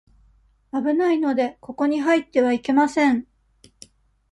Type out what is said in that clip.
危ないので、ここに入ってはいけません。